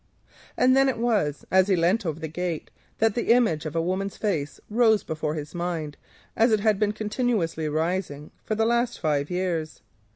And then it was, as he leant over the gate, that the image of a woman's face rose before his mind as it had continually risen during the last five years.